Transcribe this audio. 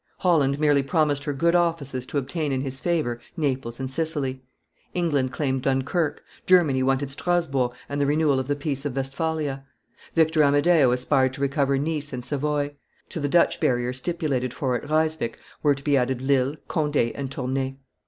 Holland merely promised her good offices to obtain in his favor Naples and Sicily; England claimed Dunkerque; Germany wanted Strasburg and the renewal of the peace of Westphalia; Victor Amadeo aspired to recover Nice and Savoy; to the Dutch barrier stipulated for at Ryswick were to be added Lille, Conde, and Tournay.